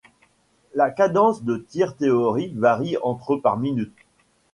La cadence de tir théorique varie entre par minute.